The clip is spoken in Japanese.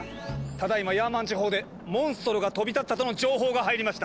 ただいまヤーマン地方でモンストロが飛び立ったとの情報が入りました。